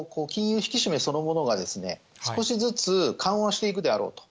引き締めそのものが、少しずつ緩和していくであろうと。